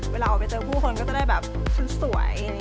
เวลาออกไปเจอผู้คนก็จะได้แบบชุดสวย